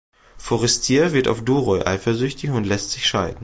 Forestier wird auf Duroy eifersüchtig und lässt sich scheiden.